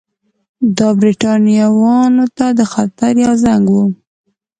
دا برېټانویانو ته د خطر یو زنګ وو.